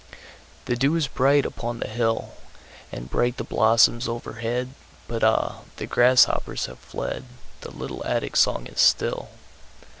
The dew is bright upon the hill, And bright the blossoms overhead, But ah! the grasshoppers have fled, The little Attic song is still.